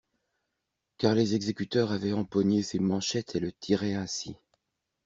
Car les exécuteurs avaient empoigné ses manchettes et le tiraient ainsi.